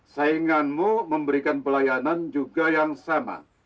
sainganmu memberikan pelayanan juga yang sama